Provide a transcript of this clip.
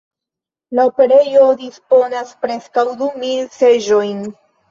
La operejo disponas preskaŭ du mil seĝojn.